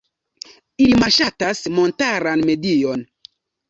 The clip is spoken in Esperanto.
Ili malŝatas montaran medion.